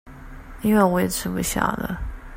因為我也吃不下了